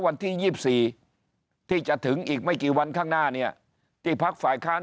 วันที่๒๔ที่จะถึงอีกไม่กี่วันข้างหน้าเนี่ยที่พักฝ่ายค้าน